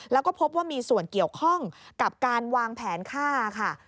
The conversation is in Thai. แล้วก็พบว่ามีส่วนเกี่ยวข้องกับการวางแผนฆ่าค่ะ